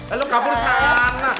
alu kabur sana